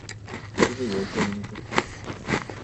Как живешь, Оленька?